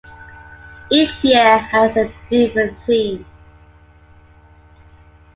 Each year has a different theme.